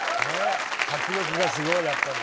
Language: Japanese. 迫力がすごいやっぱり。